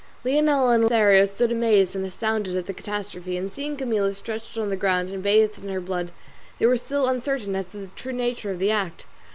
Leonela and Lothario stood amazed and astounded at the catastrophe, and seeing Camilla stretched on the ground and bathed in her blood they were still uncertain as to the true nature of the act.